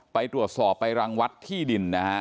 ไปตรวจสอบไปรางวัดที่ดิน